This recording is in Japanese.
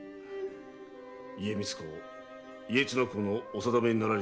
家光公家綱公のお定めになられた火消し制度。